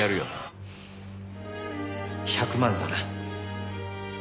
１００万だな。